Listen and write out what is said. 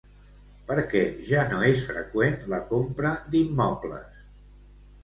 Per què ja no és freqüent la compra d'immobles?